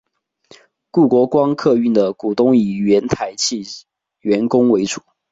故国光客运的股东以原台汽员工为主。